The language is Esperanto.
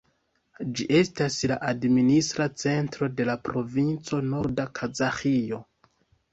Ĝi estas la administra centro de la provinco Norda Kazaĥio.